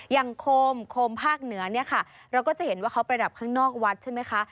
อย่างโคมโคมภาคเหนือเราก็จะเห็นว่าเขาประดับข้างนอกวัดใช่ไหมคะ